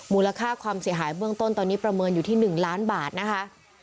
มูลค่าความเสียหายเบื้องต้นตอนนี้ประเมินอยู่ที่๑ล้านบาทนะคะ